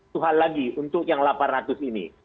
tuhan lagi untuk yang delapan ratus ini